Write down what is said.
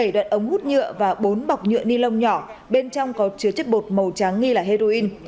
bảy đoạn ống hút nhựa và bốn bọc nhựa ni lông nhỏ bên trong có chứa chất bột màu trắng nghi là heroin